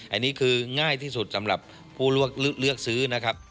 อันนี้คือง่ายที่สุดสำหรับผู้เลือกซื้อนะครับ